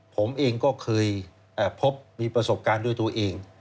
ผมเองก็เคยพบมีประสบการณ์ด้วยตัวเอง